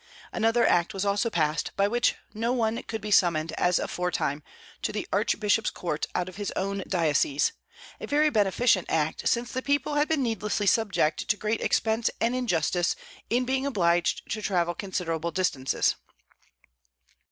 Another act also was passed, by which no one could be summoned, as aforetime, to the archbishop's court out of his own diocese, a very beneficent act, since the people had been needlessly subject to great expense and injustice in being obliged to travel considerable distances.